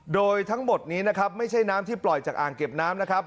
โดยทั้งหมดนี้นะครับไม่ใช่น้ำที่ปล่อยจากอ่างเก็บน้ำนะครับ